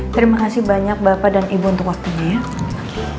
terima kasih banyak bapak dan ibu untuk waktunya